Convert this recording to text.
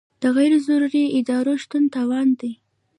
د غیر ضروري ادارو شتون تاوان دی.